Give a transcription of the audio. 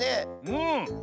うん。